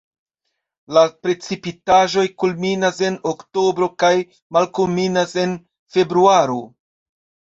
La precipitaĵoj kulminas en oktobro kaj malkulminas en februaro.